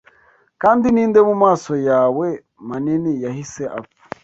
Kandi ninde mumaso yawe manini yahise apfa